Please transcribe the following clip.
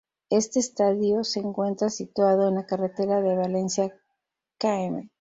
Este estadio se encuentra situado en la Carretera de Valencia, Km.